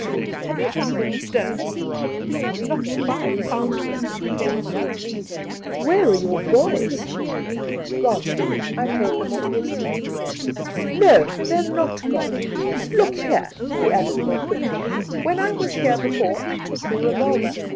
' Have you found any stones ?'' Not five poimds' worth in ten months !'' Where are your boys ?'' Grone. I paid them off' yestierday.' 13 194 Two Christmas Days ' No, they're not gone. Look here,' he added more quickly, ' when I was here before I took your revolver.